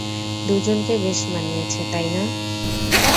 দুজনকে বেশ মানিয়েছে, তাই না?